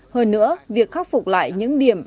hơn nữa việc khắc phục lại những điểm